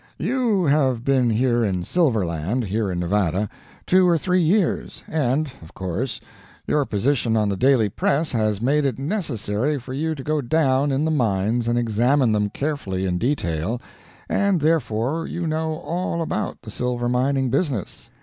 You have been here in Silver land here in Nevada two or three years, and, of course, your position on the daily press has made it necessary for you to go down in the mines and examine them carefully in detail, and therefore you know all about the silver mining business.